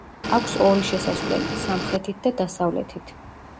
აქვს ორი შესასვლელი, სამხრეთით და დასავლეთით.